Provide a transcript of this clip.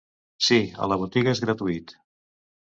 Sí, a la botiga és gratuït.